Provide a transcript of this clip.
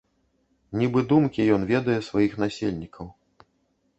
Нібы думкі ён ведае сваіх насельнікаў.